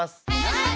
はい！